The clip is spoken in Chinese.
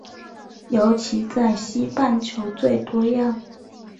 尤其在西半球最多样。